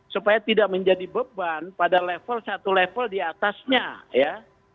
supaya tidak menjadi beban pada level satu level diatasnya ya